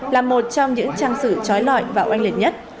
là một trong những trang sử trói lọi và oanh liệt nhất